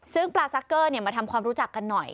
ซึ่งปลาซักเกอร์มาทำความรู้จักกันหน่อย